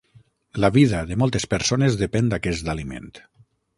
La vida de moltes persones depèn d'aquest aliment.